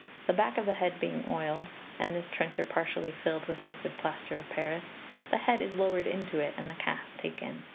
The back of the head being oiled, and this trencher partially filled with liquid plaster of Paris, the head is lowered into it, and the cast taken.